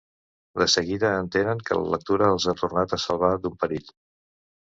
De seguida entenen que la lectura els ha tornat a salvar d'un perill.